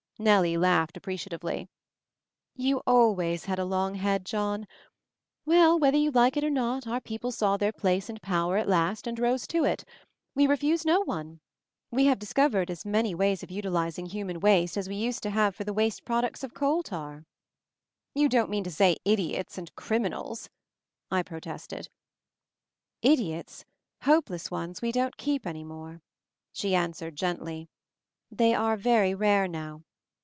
Nellie laughed appreciatively. "You always had a long head, John. Well, whether you like it or not, our people saw their place and power at last and rose to it. We refuse no one. We have discov ered as many ways of utilizing human waste as we used to have for the waste products of coal tar." "You don't mean to say idiots and crim inals?" I protested. "Idiots, hopeless ones, we don't keep any more," she answered gently. "They are very rare now.